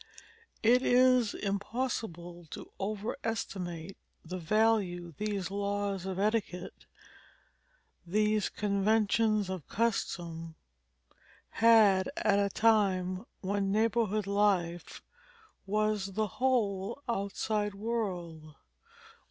It is impossible to overestimate the value these laws of etiquette, these conventions of customs had at a time when neighborhood life was the whole outside world.